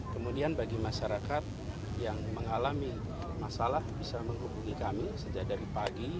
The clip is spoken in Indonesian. kemudian bagi masyarakat yang mengalami masalah bisa menghubungi kami sejak dari pagi